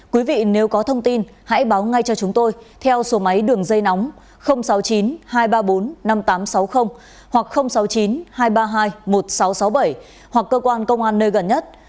quý vị nếu có thông tin hãy báo ngay cho chúng tôi theo số máy đường dây nóng sáu mươi chín hai trăm ba mươi bốn năm nghìn tám trăm sáu mươi hoặc sáu mươi chín hai trăm ba mươi hai một nghìn sáu trăm sáu mươi bảy hoặc cơ quan công an nơi gần nhất